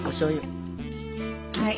はい。